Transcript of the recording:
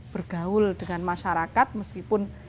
bergaul dengan masyarakat meskipun